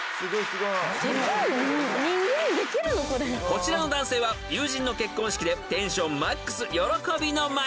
［こちらの男性は友人の結婚式でテンションマックス喜びの舞］